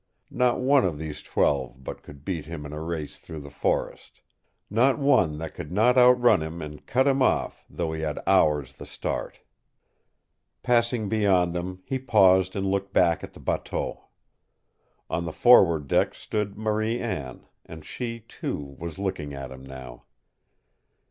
Not one of these twelve but could beat him in a race through the forest; not one that could not outrun him and cut him off though he had hours the start! Passing beyond them, he paused and looked back at the bateau. On the forward deck stood Marie Anne, and she, too, was looking at him now.